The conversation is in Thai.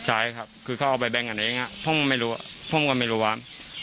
ใช่ครับคือเขาเอาไปแบงก์กันเองผมก็ไม่รู้ว่า